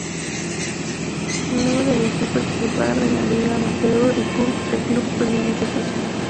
Luego de elegir participar de la liga amateur, el club perdió muchos socios.